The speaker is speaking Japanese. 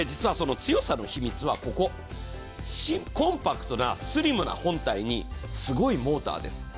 強さの秘密はここコンパクト、スリムな本体にすごいモーターです。